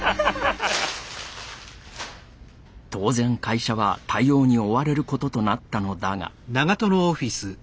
当然会社は対応に追われることとなったのだが。